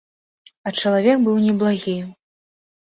А чалавек быў неблагі.